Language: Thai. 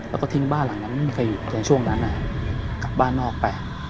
แล้วก็ทิ้งบ้านหลังนั้นไม่มีใครอยู่ในช่วงนั้นกลับบ้านนอกไป